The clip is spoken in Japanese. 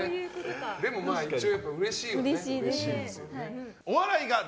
でも、まあ一応うれしいよね。